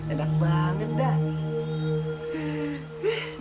enak banget dah